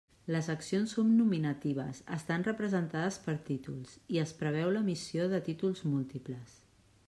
Les accions són nominatives, estan representades per títols i es preveu l'emissió de títols múltiples.